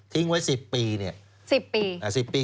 ทิ้งไว้สิบปีนี่สิบปี